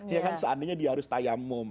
ya kan seandainya dia harus tayamum